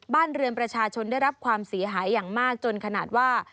บ้านเรือนประชาชนได้รับความเสียหายอย่างมากจนขนาดว่า